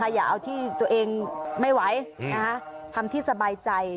อย่าเอาที่ตัวเองไม่ไหวทำที่สบายใจ